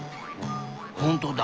ほんとだ。